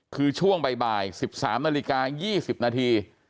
คือช่วงบ่าย๑๓นาฬิกา๒๐นาที